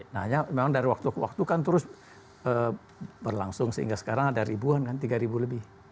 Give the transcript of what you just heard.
nah memang dari waktu ke waktu kan terus berlangsung sehingga sekarang ada ribuan kan tiga ribu lebih